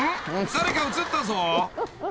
誰か映ったぞ］